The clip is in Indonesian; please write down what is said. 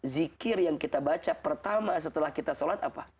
zikir yang kita baca pertama setelah kita sholat apa